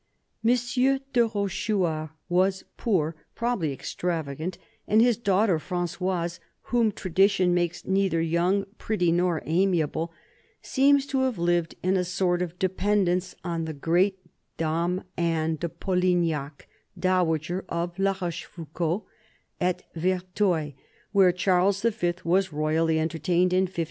M. de Rochechouart was poor, probably extravagant and his daughter Frangoise, whom tradition makes neithe ' young, pretty, nor amiable, seems to have lived in a sort EARLY YEARS 5 of dependence on the great Dame Anne de Polignac, dowager of La Rochefoucauld, at Verteuil, where Charles V was royally entertained in 1539.